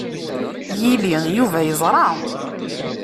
Yili, Yuba yeẓṛa.